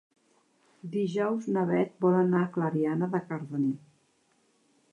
Dijous na Bet vol anar a Clariana de Cardener.